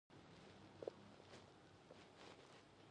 بنسټيزه موخه یې انساني تنوع رامنځته کول دي.